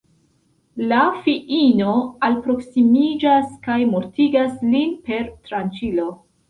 La feino alproksimiĝas, kaj mortigas lin per tranĉilo.